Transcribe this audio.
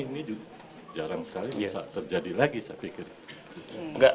ini jarang sekali bisa terjadi lagi saya pikir